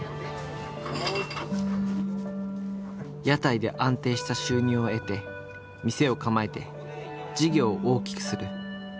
屋台で安定した収入を得て店を構えて事業を大きくする。